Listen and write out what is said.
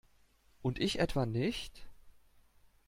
Und ich etwa nicht?